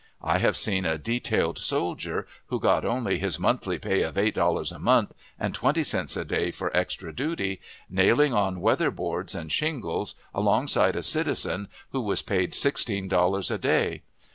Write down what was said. I have seen a detailed soldier, who got only his monthly pay of eight dollars a month, and twenty cents a day for extra duty, nailing on weather boards and shingles, alongside a citizen who was paid sixteen dollars a day.